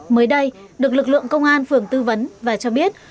mới đây được lực lượng công an phường tư vấn và cho biết